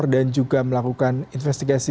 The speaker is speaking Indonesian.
dan juga melakukan investigasi